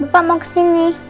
bapak mau kesini